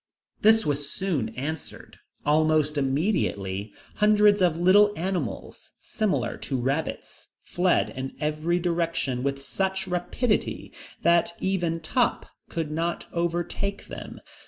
This was soon answered. Almost immediately, hundreds of little animals, similar to rabbits, fled in every direction, with such rapidity that even Top could not overtake them.